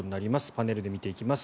パネルで見ていきます。